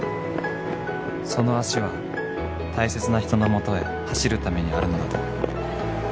［その足は大切な人の元へ走るためにあるのだと］